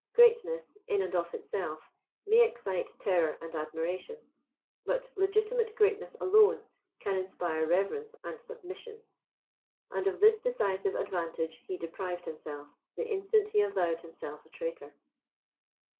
Greatness, in and of itself, may excite terror and admiration; but legitimate greatness alone can inspire reverence and submission; and of this decisive advantage he deprived himself, the instant he avowed himself a traitor.